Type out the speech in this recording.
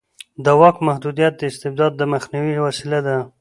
د واک محدودیت د استبداد د مخنیوي وسیله ده